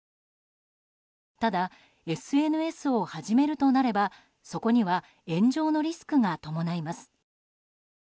ただ、ＳＮＳを始めるとなればそこには炎上のリスクが伴います。